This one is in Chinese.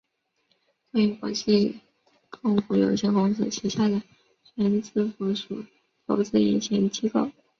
中银国际控股有限公司旗下的全资附属投资银行机构。